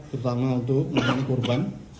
terutama untuk menangani korban